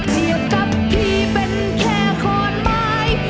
เทียบกับพี่เป็นแค่ขอนไม้